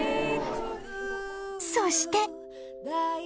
そして